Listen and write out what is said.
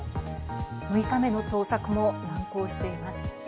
６日目の捜索も難航しています。